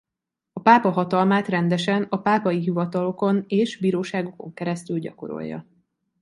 A pápa hatalmát rendesen a pápai hivatalokon és bíróságokon keresztül gyakorolja.